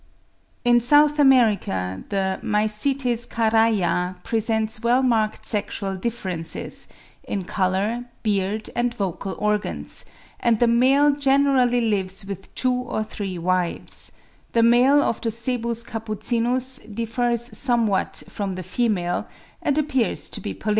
In South America the Mycetes caraya presents well marked sexual differences, in colour, beard, and vocal organs; and the male generally lives with two or three wives: the male of the Cebus capucinus differs somewhat from the female, and appears to be polygamous.